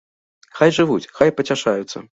Хай жывуць, хай пацяшаюцца.